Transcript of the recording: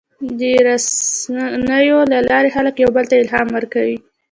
د رسنیو له لارې خلک یو بل ته الهام ورکوي.